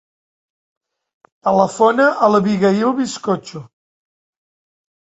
Telefona a l'Abigaïl Bizcocho.